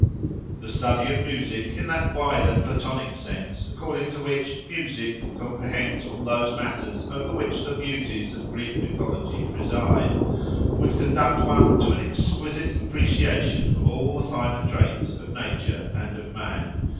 The study of music, in that wider Platonic sense, according to which, music comprehends all those matters over which the Muses of Greek mythology preside, would conduct one to an exquisite appreciation of all the finer traits of nature and of man.